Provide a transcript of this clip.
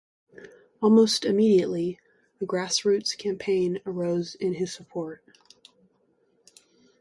Almost immediately, a grassroots campaign arose in his support.